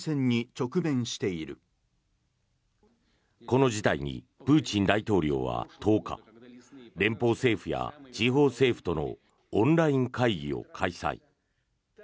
この事態にプーチン大統領は１０日連邦政府や地方政府とのオンライン会議を開催。